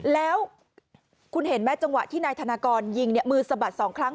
แล้วคุณเห็นไหมเวลาที่ในธนากรยิงมือสะบัดสองครั้ง